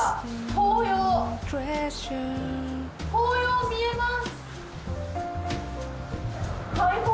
紅葉見えます！